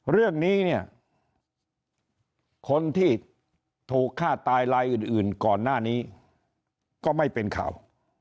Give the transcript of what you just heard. เรื่องนี้เนี่ยคนที่ถูกฆ่าตายลายอื่นก่อนหน้านี้ก็ไม่เป็นข่าว